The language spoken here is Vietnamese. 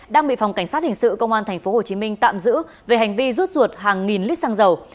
đang bị phòng cảnh sát hình sự công an tp hcm tạm giữ về hành vi rút ruột hàng nghìn lít xăng dầu